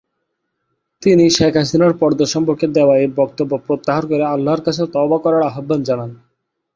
তিনি শেখ হাসিনার পর্দা সম্পর্কে দেয়া এ বক্তব্য প্রত্যাহার করে আল্লাহর কাছে তওবা করার আহ্বান জানান।